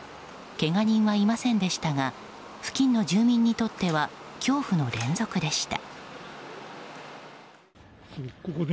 けが人はいませんでしたが付近の住民にとっては恐怖の連続でした。